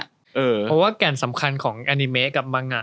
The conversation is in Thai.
เพราะว่าแก่นสำคัญของแอนิเมะกับมัง